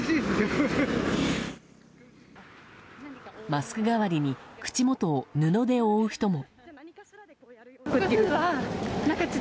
マスク代わりに口元を布で覆う人も。